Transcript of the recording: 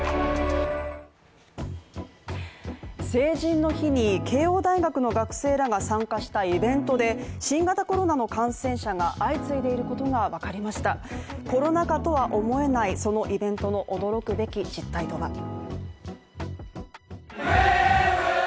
成人の日に慶応大学の学生らが参加したイベントで、新型コロナの感染者が相次いでいることがわかりましたコロナ禍とは思えないそのイベントの驚くべき実態とは。